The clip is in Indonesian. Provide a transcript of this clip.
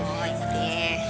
oh gitu ya